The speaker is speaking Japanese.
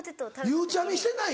ゆうちゃみしてない？